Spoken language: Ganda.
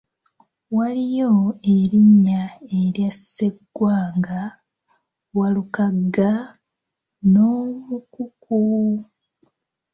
Waliyo erinnya erya sseggwanga, Walukagga n'omukukku.